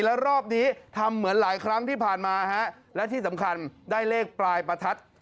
แล้วรอบนี้ทำเหมือนหลายครั้งที่ผ่านมาฮะและที่สำคัญได้เลขปลายประทัด